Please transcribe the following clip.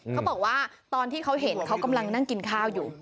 เขาบอกว่าตอนที่เขาเห็นเขากำลังนั่งกินข้าวอยู่